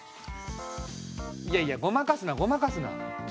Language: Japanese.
いやいやごまかすなごまかすな。